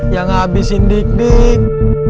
yang ngabisin dik dik